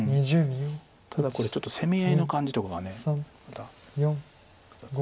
ただこれちょっと攻め合いの感じとかがまた複雑ですこれ。